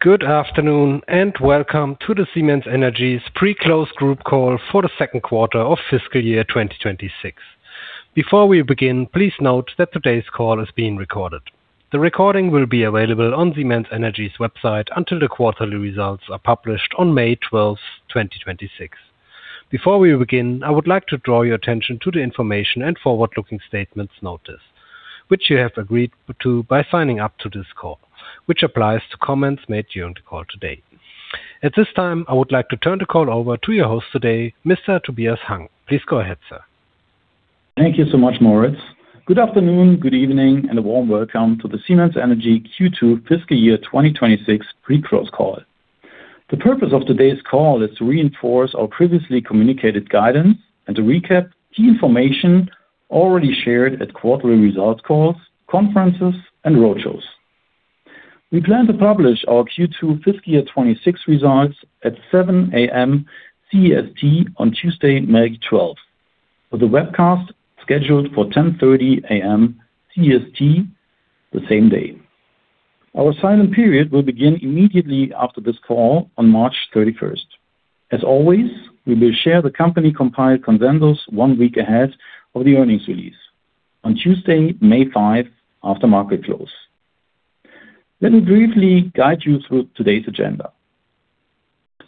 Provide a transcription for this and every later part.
Good afternoon, and welcome to the Siemens Energy's pre-close group call for the second quarter of fiscal year 2026. Before we begin, please note that today's call is being recorded. The recording will be available on Siemens Energy's website until the quarterly results are published on May 12th, 2026. Before we begin, I would like to draw your attention to the information and forward-looking statements notice, which you have agreed to by signing up to this call, which applies to comments made during the call today. At this time, I would like to turn the call over to your host today, Mr. Tobias Hang. Please go ahead, sir. Thank you so much, Moritz. Good afternoon, good evening, and a warm welcome to the Siemens Energy Q2 fiscal year 2026 pre-close call. The purpose of today's call is to reinforce our previously communicated guidance and to recap key information already shared at quarterly results calls, conferences, and roadshows. We plan to publish our Q2 fiscal year 2026 results at 7:00 A.M. CEST on Tuesday, May 12th, with the webcast scheduled for 10:30 A.M. CEST the same day. Our silent period will begin immediately after this call on March 31st. As always, we will share the company-compiled consensus one week ahead of the earnings release on Tuesday, May 5th, after market close. Let me briefly guide you through today's agenda.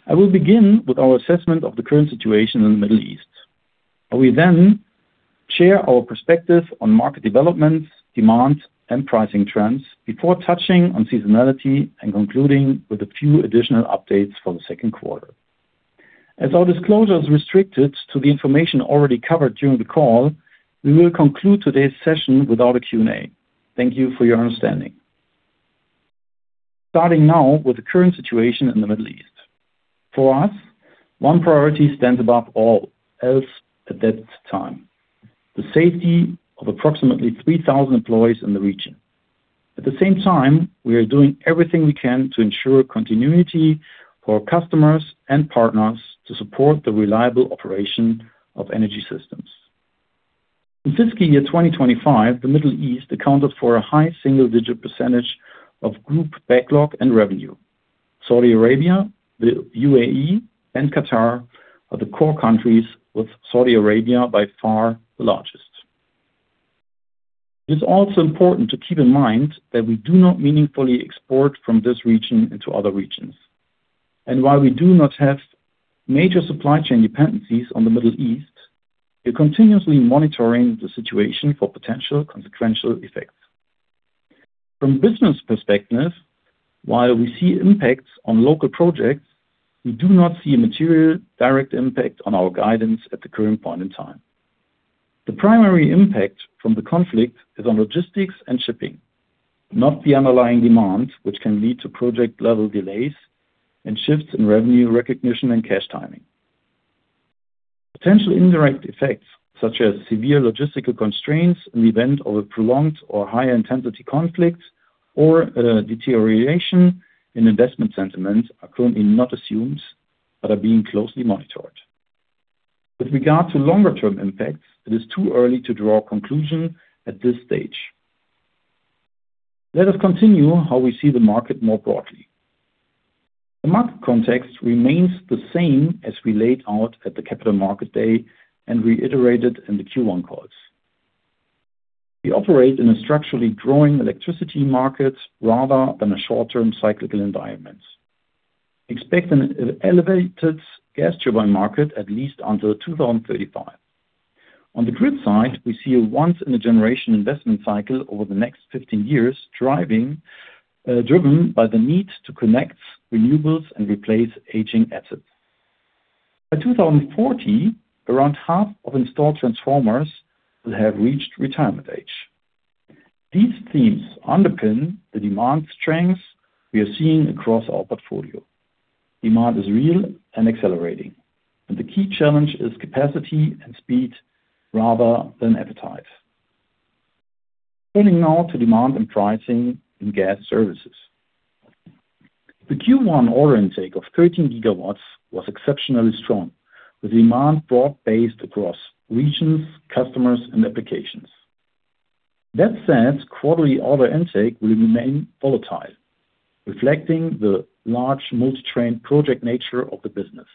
I will begin with our assessment of the current situation in the Middle East. I will then share our perspective on market developments, demand, and pricing trends before touching on seasonality and concluding with a few additional updates for the second quarter. As our disclosure is restricted to the information already covered during the call, we will conclude today's session without a Q&A. Thank you for your understanding. Starting now with the current situation in the Middle East. For us, one priority stands above all else at that time, the safety of approximately 3,000 employees in the region. At the same time, we are doing everything we can to ensure continuity for our customers and partners to support the reliable operation of energy systems. In fiscal year 2025, the Middle East accounted for a high single-digit percentage of group backlog and revenue. Saudi Arabia, the UAE, and Qatar are the core countries, with Saudi Arabia by far the largest. It is also important to keep in mind that we do not meaningfully export from this region into other regions. While we do not have major supply chain dependencies on the Middle East, we're continuously monitoring the situation for potential consequential effects. From business perspectives, while we see impacts on local projects, we do not see a material direct impact on our guidance at the current point in time. The primary impact from the conflict is on logistics and shipping, not the underlying demand, which can lead to project-level delays and shifts in revenue recognition and cash timing. Potential indirect effects, such as severe logistical constraints in event of a prolonged or high-intensity conflict or, deterioration in investment sentiment are currently not assumed but are being closely monitored. With regard to longer-term impacts, it is too early to draw a conclusion at this stage. Let us continue how we see the market more broadly. The market context remains the same as we laid out at the Capital Market Day and reiterated in the Q1 calls. We operate in a structurally growing electricity market rather than a short-term cyclical environment. Expect an elevated gas turbine market at least until 2035. On the grid side, we see a once-in-a-generation investment cycle over the next 15 years, driven by the need to connect renewables and replace aging assets. By 2040, around half of installed transformers will have reached retirement age. These themes underpin the demand strengths we are seeing across our portfolio. Demand is real and accelerating, and the key challenge is capacity and speed rather than appetite. Turning now to demand and pricing in Gas Services. The Q1 order intake of 13GW was exceptionally strong, with demand broad-based across regions, customers, and applications. That said, quarterly order intake will remain volatile, reflecting the large multi-train project nature of the business.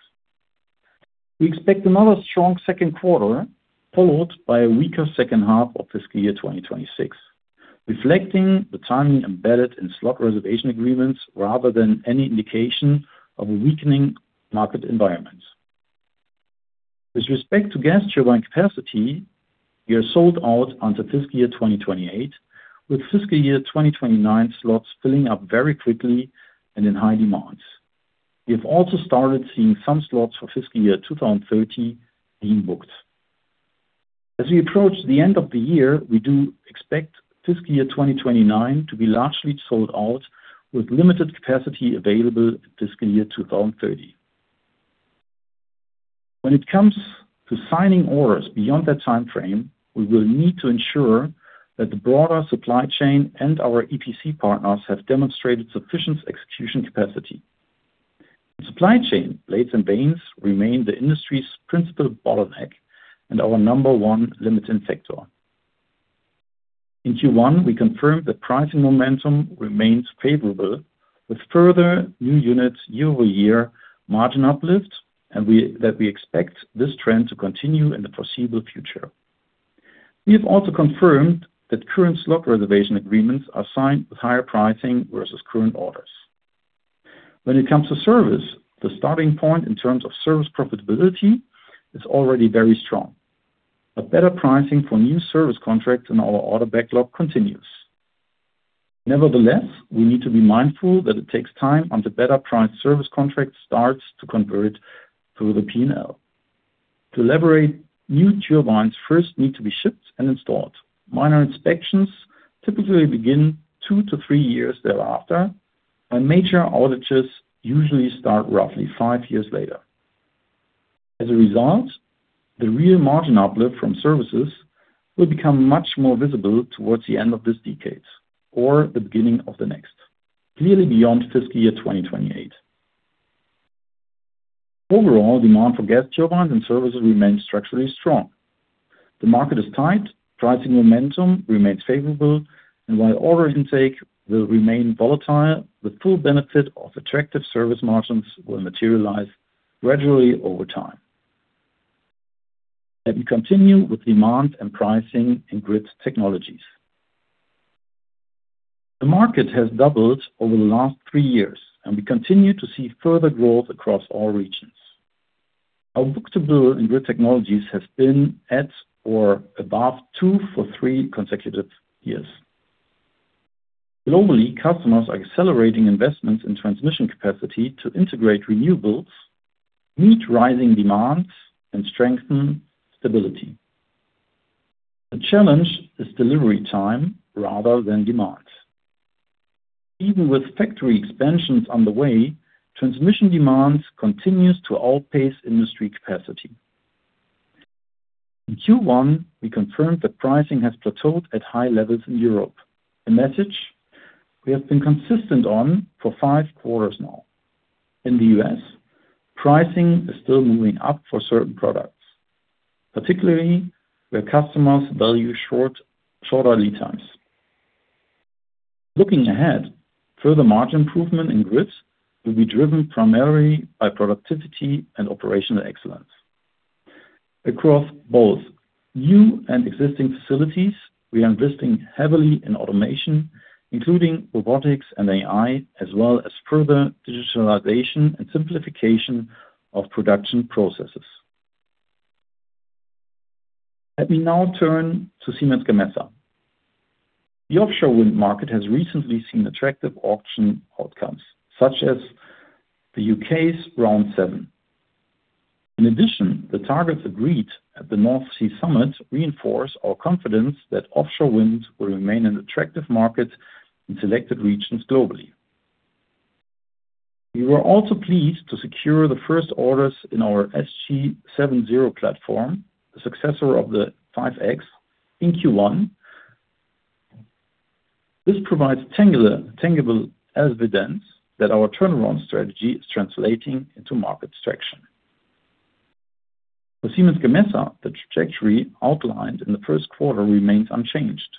We expect another strong second quarter, followed by a weaker second half of fiscal year 2026, reflecting the timing embedded in slot reservation agreements rather than any indication of a weakening market environment. With respect to gas turbine capacity, we are sold out until fiscal year 2028, with fiscal year 2029 slots filling up very quickly and in high demand. We have also started seeing some slots for fiscal year 2030 being booked. As we approach the end of the year, we do expect fiscal year 2029 to be largely sold out, with limited capacity available in fiscal year 2030. When it comes to signing orders beyond that timeframe, we will need to ensure that the broader supply chain and our EPC partners have demonstrated sufficient execution capacity. The supply chain, blades and vanes, remain the industry's principal bottleneck and our number one limiting factor. In Q1, we confirmed that pricing momentum remains favorable with further new units year-over-year margin uplift, and that we expect this trend to continue in the foreseeable future. We have also confirmed that current slot reservation agreements are signed with higher pricing versus current orders. When it comes to service, the starting point in terms of service profitability is already very strong. A better pricing for new service contracts in our order backlog continues. Nevertheless, we need to be mindful that it takes time on the better-priced service contract starts to convert through the P&L. To elaborate, new turbines first need to be shipped and installed. Minor inspections typically begin two-three years thereafter, and major outages usually start roughly five years later. As a result, the real margin uplift from services will become much more visible towards the end of this decade or the beginning of the next, clearly beyond fiscal year 2028. Overall, demand for gas turbines and services remains structurally strong. The market is tight, pricing momentum remains favorable, and while order intake will remain volatile, the full benefit of attractive service margins will materialize gradually over time. Let me continue with demand and pricing in Grid Technologies. The market has doubled over the last three years, and we continue to see further growth across all regions. Our book-to-bill in Grid Technologies has been at or above two for three consecutive years. Globally, customers are accelerating investments in transmission capacity to integrate renewables, meet rising demands, and strengthen stability. The challenge is delivery time rather than demands. Even with factory expansions on the way, transmission demand continues to outpace industry capacity. In Q1, we confirmed that pricing has plateaued at high levels in Europe. A message we have been consistent on for five quarters now. In the U.S., pricing is still moving up for certain products, particularly where customers value shorter lead times. Looking ahead, further margin improvement in Grid will be driven primarily by productivity and operational excellence. Across both new and existing facilities, we are investing heavily in automation, including robotics and AI, as well as further digitalization and simplification of production processes. Let me now turn to Siemens Gamesa. The offshore wind market has recently seen attractive auction outcomes, such as the U.K.'s Round 7. In addition, the targets agreed at the North Sea Summit reinforce our confidence that offshore wind will remain an attractive market in selected regions globally. We were also pleased to secure the first orders in our SG 7.0 platform, the successor of the 5.X, in Q1. This provides tangible evidence that our turnaround strategy is translating into market traction. For Siemens Gamesa, the trajectory outlined in the first quarter remains unchanged.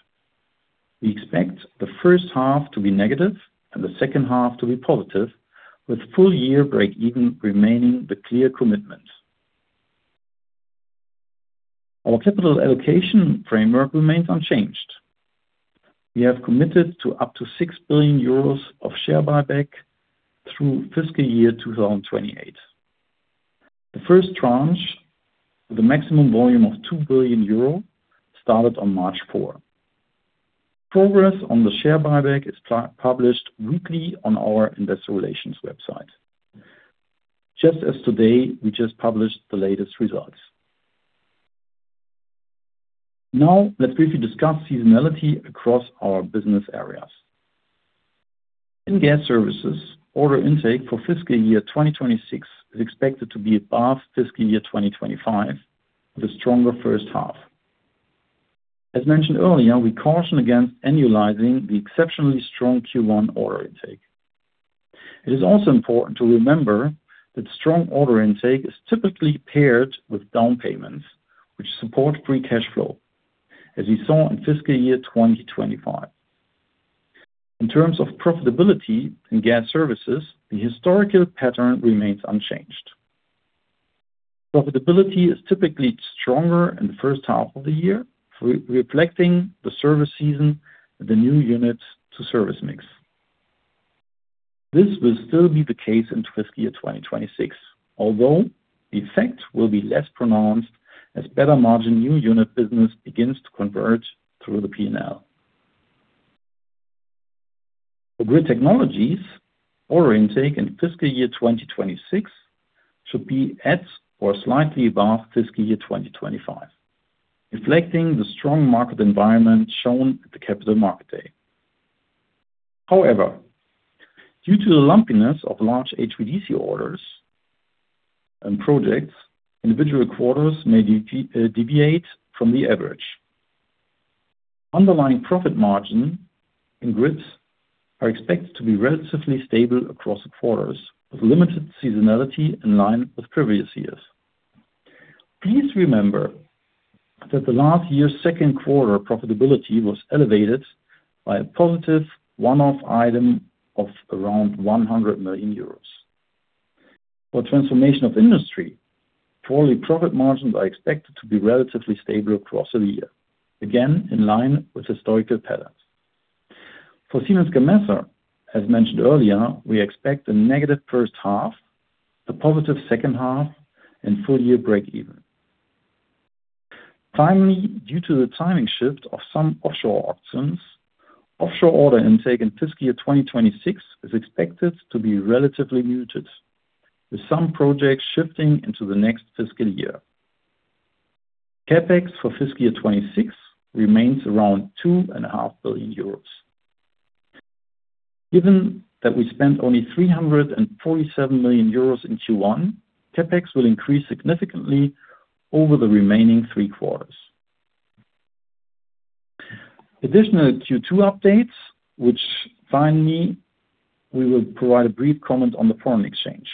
We expect the first half to be negative and the second half to be positive, with full-year breakeven remaining the clear commitment. Our capital allocation framework remains unchanged. We have committed to up to 6 billion euros of share buyback through fiscal year 2028. The first tranche, with a maximum volume of 2 billion euros, started on March 4th. Progress on the share buyback is published weekly on our investor relations website. Just as today, we just published the latest results. Now let's briefly discuss seasonality across our business areas. In Gas Services, order intake for fiscal year 2026 is expected to be above fiscal year 2025, with a stronger first half. As mentioned earlier, we caution against annualizing the exceptionally strong Q1 order intake. It is also important to remember that strong order intake is typically paired with down payments, which support free cash flow, as you saw in fiscal year 2025. In terms of profitability in Gas Services, the historical pattern remains unchanged. Profitability is typically stronger in the first half of the year, reflecting the service season and the new unit to service mix. This will still be the case in fiscal year 2026, although the effect will be less pronounced as better margin new unit business begins to convert through the P&L. For Grid Technologies, order intake in fiscal year 2026 should be at or slightly above fiscal year 2025, reflecting the strong market environment shown at the Capital Market Day. However, due to the lumpiness of large HVDC orders and projects, individual quarters may deviate from the average. Underlying profit margin in Grid are expected to be relatively stable across the quarters, with limited seasonality in line with previous years. Please remember that the last year's second quarter profitability was elevated by a positive one-off item of around 100 million euros. For Transformation of Industry, quarterly profit margins are expected to be relatively stable across the year, again, in line with historical patterns. For Siemens Gamesa, as mentioned earlier, we expect a negative first half, a positive second half, and full-year breakeven. Finally, due to the timing shift of some offshore auctions, offshore order intake in fiscal 2026 is expected to be relatively muted, with some projects shifting into the next fiscal year. CapEx for fiscal year 2026 remains around 2.5 billion euros. Given that we spent only 347 million euros in Q1, CapEx will increase significantly over the remaining three quarters. Additional Q2 updates, we will provide a brief comment on the foreign exchange.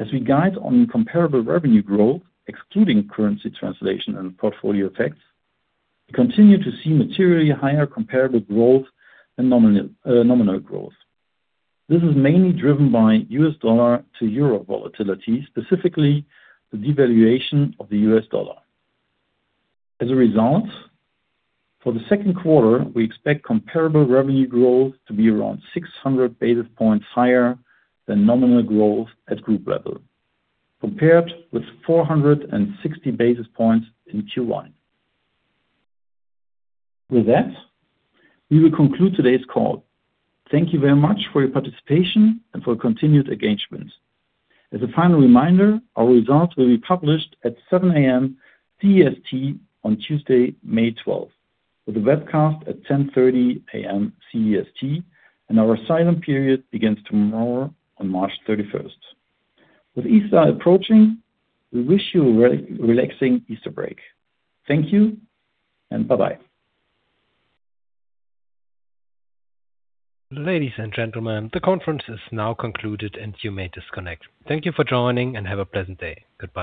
As we guide on comparable revenue growth, excluding currency translation and portfolio effects, we continue to see materially higher comparable growth than nominal growth. This is mainly driven by U.S. dollar to euro volatility, specifically the devaluation of the U.S. dollar. As a result, for the second quarter, we expect comparable revenue growth to be around 600 basis points higher than nominal growth at group level, compared with 460 basis points in Q1. With that, we will conclude today's call. Thank you very much for your participation and for continued engagement. As a final reminder, our results will be published at 7:00 A.M. CEST on Tuesday, May 12th, with a webcast at 10:30 A.M. CEST, and our silent period begins tomorrow on March 31st. With Easter approaching, we wish you a relaxing Easter break. Thank you and bye-bye. Ladies and gentlemen, the conference is now concluded and you may disconnect. Thank you for joining and have a pleasant day. Goodbye.